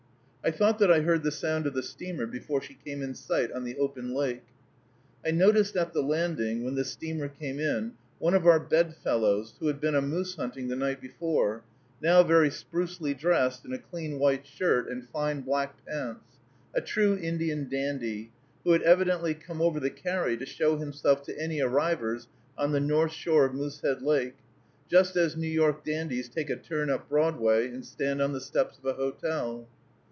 I thought that I heard the sound of the steamer before she came in sight on the open lake. I noticed at the landing, when the steamer came in, one of our bed fellows, who had been a moose hunting the night before, now very sprucely dressed in a clean white shirt and fine black pants, a true Indian dandy, who had evidently come over the carry to show himself to any arrivers on the north shore of Moosehead Lake, just as New York dandies take a turn up Broadway and stand on the steps of a hotel.